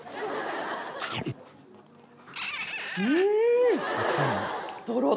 うん！